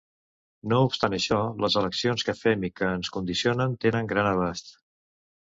No obstant això, les eleccions que fem i que ens condicionen tenen gran abast.